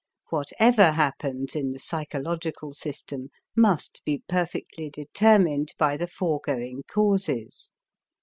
Whatever happens in the psychological system must be perfectly determined by the foregoing causes.